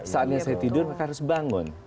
saatnya saya tidur mereka harus bangun